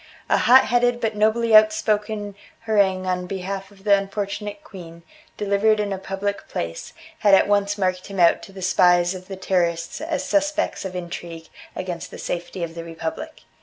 A hot headed but nobly outspoken harangue on behalf of the unfortunate queen, delivered in a public place, had at once marked him out to the spies of the Terrorists as suspect of intrigue against the safety of the Republic.